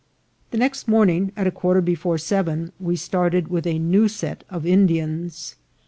The next morning, at a quarter before seven, we started with a new set of Indians.